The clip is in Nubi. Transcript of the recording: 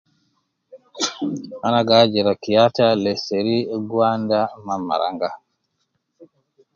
Ana gi ajira kiyata, lesheri, gwanda ma maranga